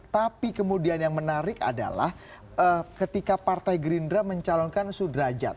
tapi kemudian yang menarik adalah ketika partai gerindra mencalonkan sudrajat